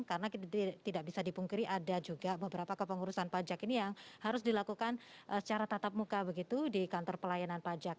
karena tidak bisa dipungkiri ada juga beberapa kepengurusan pajak ini yang harus dilakukan secara tatap muka begitu di kantor pelayanan pajak